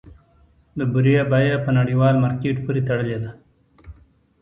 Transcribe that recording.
د بورې بیه په نړیوال مارکیټ پورې تړلې ده؟